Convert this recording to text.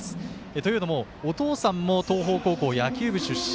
というのも、お父さんも東邦高校野球部出身。